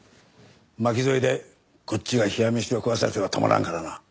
巻き添えでこっちが冷や飯を食わされてはたまらんからな。